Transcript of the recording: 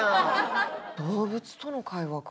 動物との会話か。